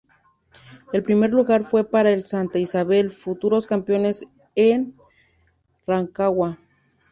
El primer lugar fue para el Santa Isabel, futuros campeones en Rancagua.